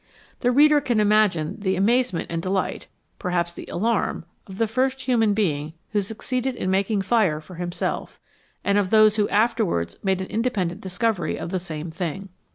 The reader can imagine the amaze ment and delight, perhaps the alarm, of the first human being who succeeded in making fire for himself, and of those who afterwards made an independent discovery of the same thing.